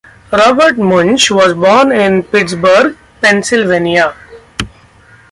Robert Munsch was born in Pittsburgh, Pennsylvania.